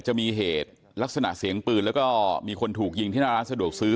จะมีเหตุลักษณะเสียงปืนแล้วก็มีคนถูกยิงที่หน้าร้านสะดวกซื้อ